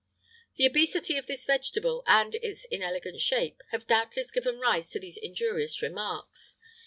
[IX 107] The obesity of this vegetable, and its inelegant shape, have doubtless given rise to these injurious remarks.